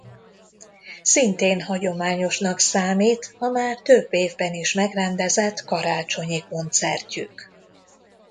Szintén hagyományosnak számít a már több évben is megrendezett karácsonyi koncertjük.